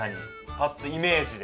パッとイメージで。